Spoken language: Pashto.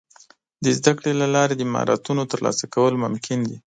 د زده کړې له لارې د مهارتونو ترلاسه کول ممکن دي.